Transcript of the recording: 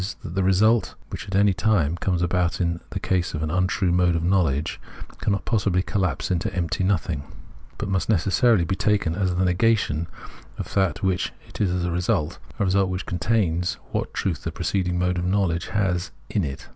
that the result which at any time comes about in the case of an untrue mode of knowledge cannot possibly collapse into an empty nothing, but must necessarily be taken as the negation of that of which it is a result 8S Phenomenology of Mind — a result which contains what truth the preceding mode of knowledge has in it.